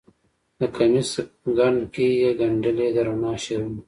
د کمیس ګنډ کې یې ګنډلې د رڼا شعرونه